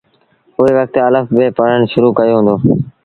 اُئي وکت الڦ بي پڙهڻ شرو ڪيو هُݩدو۔